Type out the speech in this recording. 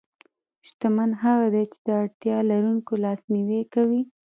شتمن هغه دی چې د اړتیا لرونکو لاسنیوی کوي.